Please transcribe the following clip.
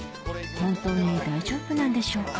本当に大丈夫なんでしょうか？